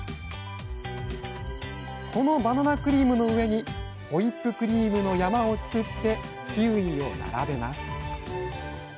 このバナナクリームの上にホイップクリームの山を作ってキウイを並べます。